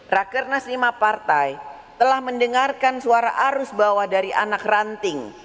rakernas lima partai telah mendengarkan suara arus bawah dari anak ranting